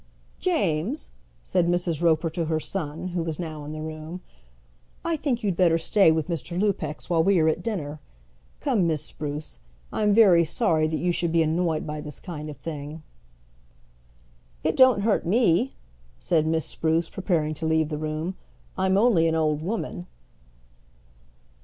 "James," said Mrs. Roper to her son, who was now in the room, "I think you'd better stay with Mr. Lupex while we are at dinner. Come, Miss Spruce, I'm very sorry that you should be annoyed by this kind of thing." "It don't hurt me," said Miss Spruce, preparing to leave the room. "I'm only an old woman."